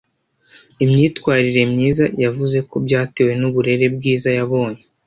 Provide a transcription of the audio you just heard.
imyitwarire myiza, yavuze ko byatewe n'uburere bwiza yabonye